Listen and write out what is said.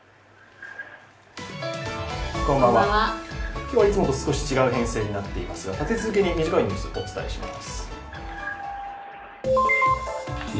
今日はいつもと違う編成になっていますが立て続けに短いニュースをお伝えします。